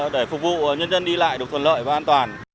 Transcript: để phục vụ nhân dân đi lại được thuận lợi và an toàn